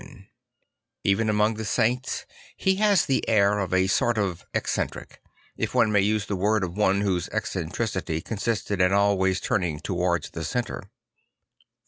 9 6 St. Francis of Assisi Even among the saints he has the air of a sort of eccentric, if one may use the word of one whose eccentricity consisted in always turning towards the centre.